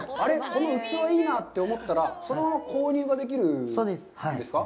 この器いいなと思ったら、そのまま購入ができるんですか。